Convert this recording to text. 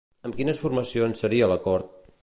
Amb quines formacions seria l'acord?